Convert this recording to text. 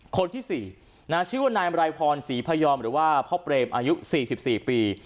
คนที่๔ชื่อว่านายมรายพรศรีพยอมหรือว่าพ่อเปรมอายุ๔๔ปี